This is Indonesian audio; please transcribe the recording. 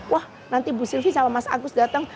wah nanti bu sylvie sama mas agus datang